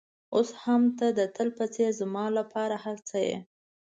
اوس هم ته د تل په څېر زما لپاره هر څه یې.